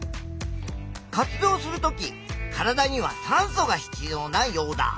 活動するとき体には酸素が必要なヨウダ。